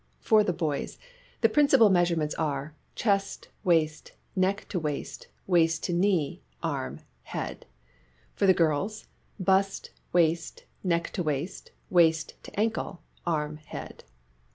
For the boys, the principal measurements are : chest, waist, neck to waist, waist to knee, arm, head. For the girls : bust, waist, neck to waist, waist to ankle, arm, head.